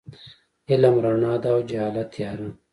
علم رڼا ده او جهالت تیاره.